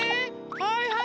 はいはい。